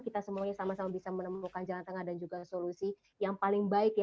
kita semuanya sama sama bisa menemukan jalan tengah dan juga solusi yang paling baik ya